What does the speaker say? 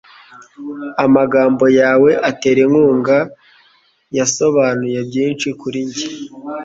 Amagambo yawe atera inkunga yasobanuye byinshi kuri njye.